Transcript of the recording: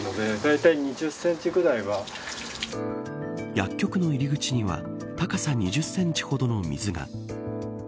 薬局の入り口には高さ２０センチほどの水が。